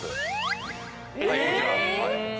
はいこちら。